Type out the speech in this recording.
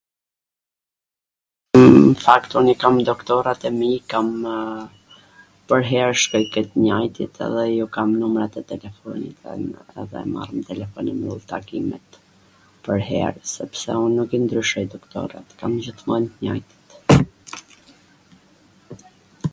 Tw paktwn i kam doktorat e mi, kamw pwrher shkoj ke tw njwjtit edhe ju kam numrat e telefonit, edhe i marr n telefon edhe mbyll takimet pwrher sepse un nuk i ndryshoj doktorat, kam gjithmon t njwjtwt.